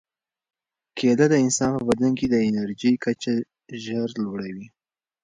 کیله د انسان په بدن کې د انرژۍ کچه ژر لوړوي.